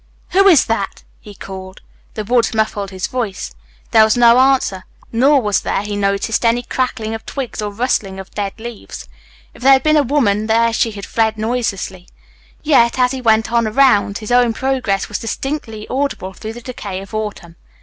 "Who is that?" he called. The woods muffled his voice. There was no answer. Nor was there, he noticed, any crackling of twigs or rustling of dead leaves. If there had been a woman there she had fled noiselessly, yet, as he went on around the lake, his own progress was distinctly audible through the decay of autumn.